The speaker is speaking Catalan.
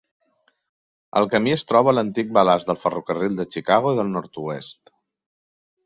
El camí es troba a l'antic balast del ferrocarril de Chicago i del Nord-Oest.